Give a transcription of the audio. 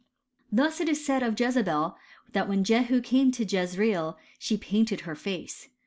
Thus it is said of Jezebel, that when Jehu came to Jezreel she painted her face.